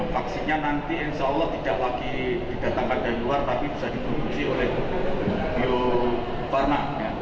vaksinnya nanti insya allah tidak lagi didatangkan dari luar tapi bisa diproduksi oleh bio farma